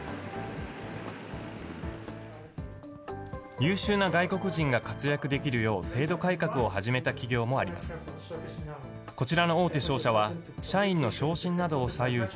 優秀な外国人が活躍できるよう、制度改革を始めた企業もあります。